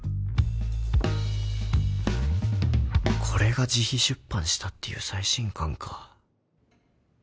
これが自費出版したっていう最新刊か